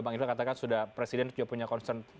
bang irfan katakan sudah presiden sudah punya concern